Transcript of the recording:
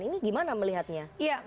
ini gimana melihatnya